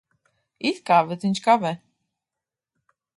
It kā. Bet viņš kavē.